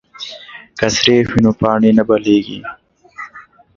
که سریښ وي نو پاڼې نه بېلیږي.